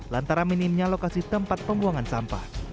lantaran minimnya lokasi tempat pembuangan sampah